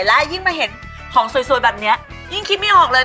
และยิ่งมาเห็นของสวยแบบนี้ยิ่งคิดไม่ออกเลย